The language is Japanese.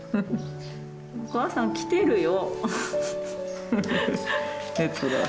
お母さん来てるよ。